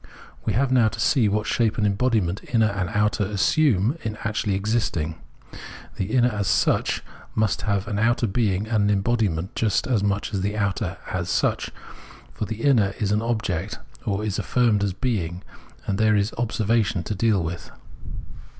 We have now to see what shape and embodiment inner and outer assume in actually existing. The inner as such must have an outer being and an embodiment, just as much as the outer as such ; for the inner is an object, or is affirmed as being, and is there for observation to deal with.